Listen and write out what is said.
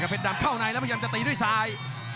เพชรดำเข้าในแล้วพยายามจะตีด้วยซ้าย